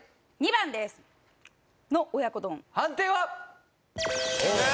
２番ですの親子丼判定は？